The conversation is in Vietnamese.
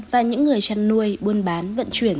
và những người chăn nuôi buôn bán vận chuyển